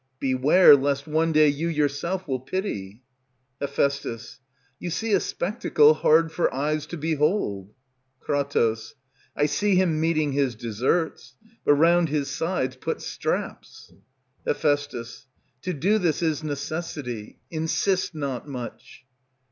Beware lest one day you yourself will pity. Heph. You see a spectacle hard for eyes to behold. Kr. I see him meeting his deserts; But round his sides put straps. Heph. To do this is necessity, insist not much.